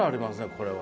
これは。